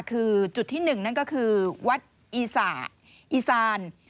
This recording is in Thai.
คือจุดที่๑นั่นก็คือวัดอีสาอีสาน